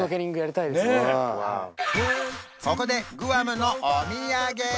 ここでグアムのお土産